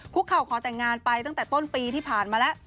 ข่าวขอแต่งงานไปตั้งแต่ต้นปีที่ผ่านมาแล้ว